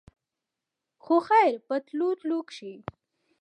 خو خېر په تلو تلو کښې